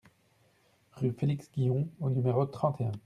Rue Félix Guyon au numéro trente et un